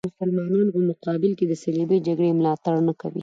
د مسلمانانو په مقابل کې د صلیبي جګړې ملاتړ نه کوي.